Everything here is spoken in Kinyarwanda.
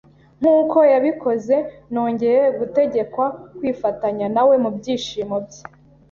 nkuko yabikoze, nongeye gutegekwa kwifatanya nawe mubyishimo bye.